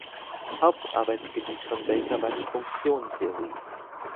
Hauptarbeitsgebiet von Baker war die Funktionentheorie.